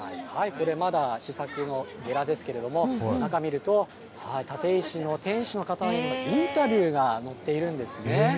これ、まだ試作のゲラですけれども、中見ると、立石の店主の方のインタビューが載っているんですね。